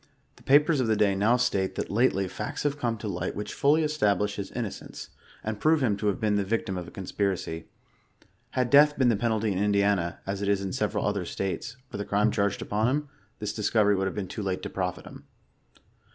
The papers of the day now state, that lately " facts havd come to light which fully establish his inno cence,^' and prove him to have been the victim of a conspiracy. Had death been the penalty in Indiana, as it is in several other . states, for the crime charged upon him, this discovery would have been too late to profit him.